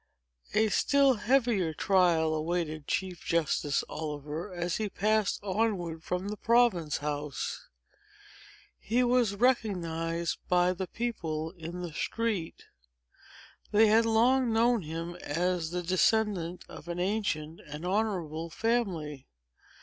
A still heavier trial awaited Chief Justice Oliver, as he passed onward from the Province House. He was recognized by the people in the street. They had long known him as the descendant of an ancient and honorable family.